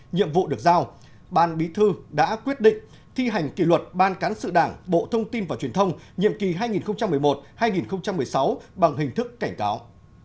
nhiệm vụ được giao ban bí thư đã quyết định thi hành kỷ luật ban cán sự đảng bộ thông tin và truyền thông nhiệm kỳ hai nghìn một mươi một hai nghìn một mươi sáu bằng hình thức cảnh cáo